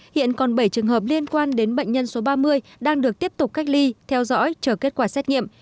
hiện còn bảy trường hợp liên quan đến bệnh nhân số ba mươi đang được tiếp tục cách ly theo dõi chờ kết quả xét nghiệm